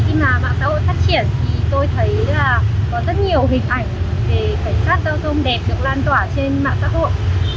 khi mà mạng xã hội phát triển thì tôi thấy là có rất nhiều hình ảnh về cảnh sát giao thông đẹp được lan tỏa trên mạng xã hội